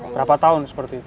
berapa tahun seperti itu